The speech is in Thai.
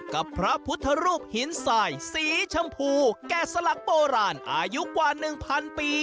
กับพระพุทธรูปหินสายสีชมพูแก่สลักโบราณอายุกว่า๑๐๐ปี